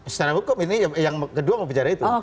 secara hukum ini yang kedua mau bicara itu